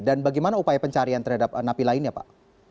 dan bagaimana upaya pencarian terhadap napi lainnya pak